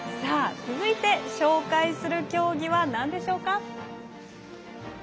続いて、紹介する競技はなんでしょうか？